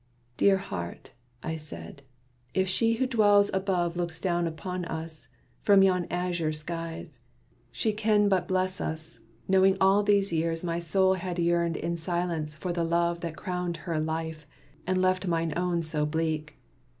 "Dear heart," I said, "if she who dwells above Looks down upon us, from yon azure skies, She can but bless us, knowing all these years My soul had yearned in silence for the love That crowned her life, and left mine own so bleak.